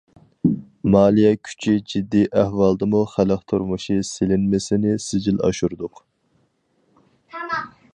مالىيە كۈچى جىددىي ئەھۋالدىمۇ خەلق تۇرمۇشى سېلىنمىسىنى سىجىل ئاشۇردۇق.